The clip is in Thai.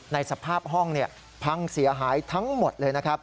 ในสภาพห้องพังเสียหายทั้งหมดเลยนะครับ